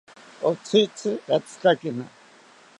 Otzitzi ratzikakina